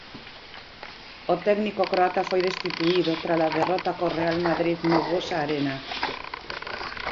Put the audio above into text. O técnico croata foi destituído trala derrota co Real Madrid no Buesa Arena.